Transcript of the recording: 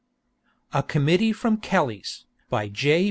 ] A COMMITTEE FROM KELLY'S BY J.